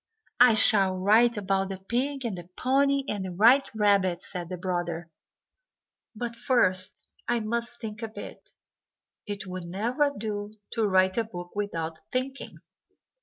"I shall write about the pig, and the pony, and the white rabbit," said the brother; "but first I must think a bit. It would never do to write a book without thinking."